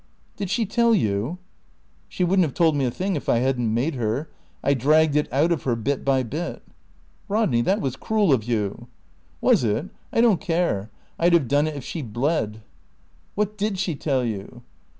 "Did she tell you?" "She wouldn't have told me a thing if I hadn't made her. I dragged it out of her, bit by bit." "Rodney, that was cruel of you." "Was it? I don't care. I'd have done it if she'd bled." "What did she tell you?"